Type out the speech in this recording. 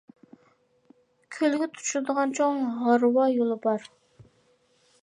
كۆلگە تۇتىشىدىغان چوڭ ھارۋا يولى بار.